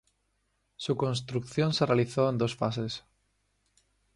Su construcción se realizó en dos fases.